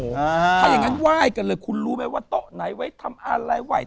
ถ้าอย่างนั้นไหว้กันเลยคุณรู้ไหมว่าโต๊ะไหนไว้ทำอะไรไหว